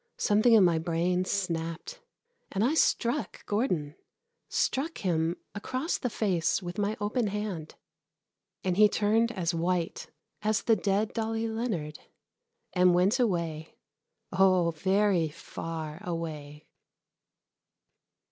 Something in my brain snapped. And I struck Gordon struck him across the face with my open hand. And he turned as white as the dead Dolly Leonard, and went away oh, very far away.